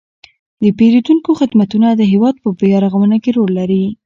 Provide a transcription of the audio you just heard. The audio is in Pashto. د پیرودونکو خدمتونه د هیواد په بیارغونه کې رول لري.